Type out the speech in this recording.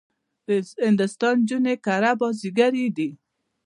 د هندوستان نجونې کړه بازيګرې دي.